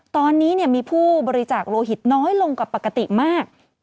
ตอนนี้มีผู้บริจาคโลหิตน้อยลงกว่าปกติมาก